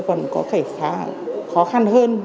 còn có thể khá khó khăn hơn